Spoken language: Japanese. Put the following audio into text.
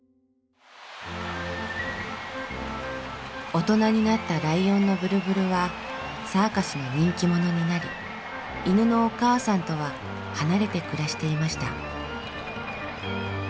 大人になったライオンのブルブルはサーカスの人気者になり犬のお母さんとは離れて暮らしていました。